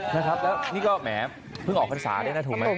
แล้วนี่ก็แหมพึ่งออกอันสารด้วยนะถูกไหม